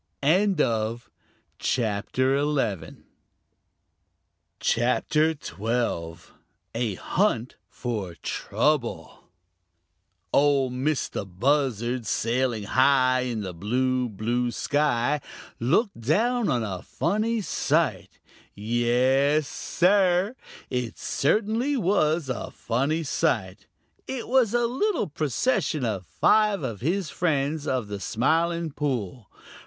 CHAPTER XII: A Hunt For Trouble Ol' Mistah Buzzard, sailing high in the blue, blue sky, looked down on a funny sight. Yes, Sir, it certainly was a funny sight. It was a little procession of five of his friends of the Smiling Pool.